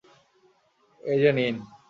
এই যে, নিন!